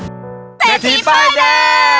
เซธีป้ายแดง